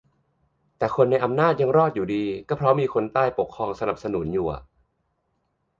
แต่ที่คนในอำนาจยังรอดอยู่ดี ก็เพราะมีคนใต้ปกครองสนับสนุนอยู่อะ